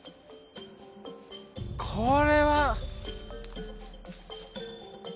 これは。